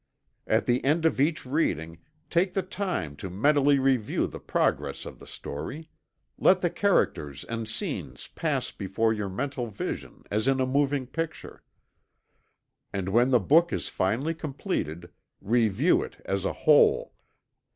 At the end of each reading, take the time to mentally review the progress of the story let the characters and scenes pass before your mental vision as in a moving picture. And when the book is finally completed, review it as a whole.